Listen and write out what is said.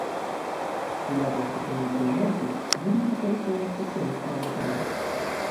У якасці крыніцы энергіі будуць выкарыстоўвацца сонечныя батарэі.